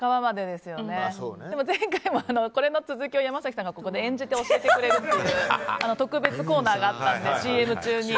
でも前回もこれの続きを山崎さんが演じて教えてくれるっていう特別コーナーがあったのでＣＭ中に。